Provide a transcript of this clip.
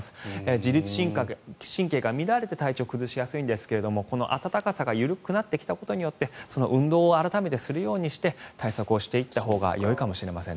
自律神経が乱れて体調を崩しやすいんですがこの暖かさが緩くなってきたことによって運動を改めてするようにして対策をしていったほうがいいかもしれません。